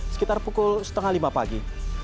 sekitar pukul setengah lima pagi